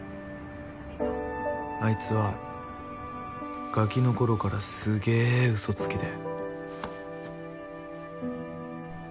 あいつはガキの頃からすげぇうそつきで。